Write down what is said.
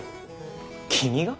君が？